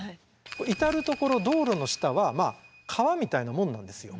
至るところ道路の下は川みたいなもんなんですよ。